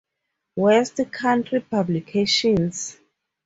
West Country Publications.